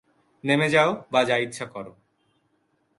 নেমে যাও বা যা ইচ্ছা করো।